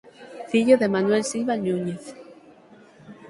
Fillo de Manuel Silva Núñez.